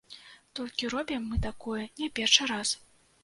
Толькі робім мы такое не першы раз.